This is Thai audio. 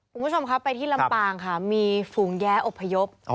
คุณผู้ชมครับไปที่ลำปางค่ะมีฝูงแย้อพยพ